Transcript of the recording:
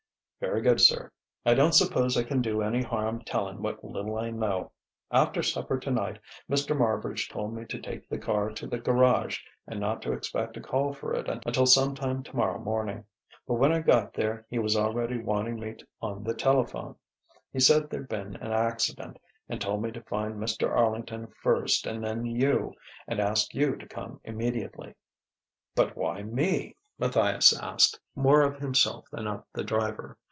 "Very good, sir. I don't suppose I can do any harm telling what little I know. After supper tonight, Mr. Marbridge told me to take the car to the garage and not to expect a call for it until sometime tomorrow morning; but when I got there, he was already wanting me on the telephone. He said there'd been an accident, and told me to find Mr. Arlington first and then you, and ask you to come immediately." "But why me?" Matthias asked, more of himself than of the driver.